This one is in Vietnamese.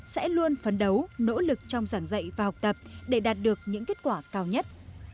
sẽ luôn phấn đấu nỗ lực trong giảng dạy và học tập để đạt được những kết quả cao nhất